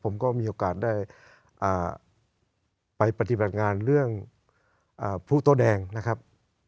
ผมก็มีโอกาสได้อ่าไปปฏิบัติงานเรื่องอ่าพลุตัวแดงนะครับ